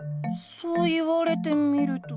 そう言われてみると。